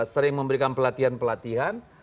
sering memberikan pelatihan pelatihan